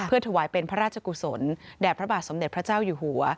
ถวายเป็นพระราชกุศลแด่พระบาทสมเด็จพระเจ้าอยู่หัว